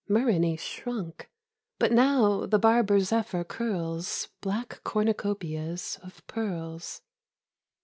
Myrrhine shrunk, But now the barber zephyr curls Black cornucopias of pearls.